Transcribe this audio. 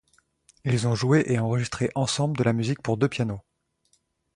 Ils ont joué et enregistré ensemble de la musique pour deux pianos.